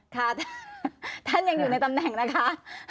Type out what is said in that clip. ค่ะท่านยังอยู่ในตำแหน่งนะคะ